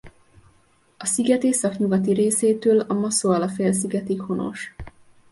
A sziget északnyugati részétől a Masoala-félszigetig honos.